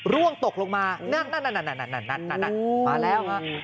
ร่วงตกลงมานั่นมาแล้วฮะ